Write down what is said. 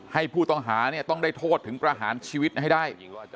ให้ผู้ต้องหาเนี่ยต้องได้โทษถึงประหารชีวิตให้ได้